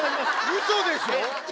ウソでしょ？